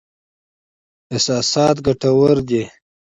احساسات ګټور دي.